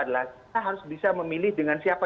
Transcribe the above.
adalah kita harus bisa memilih dengan siapa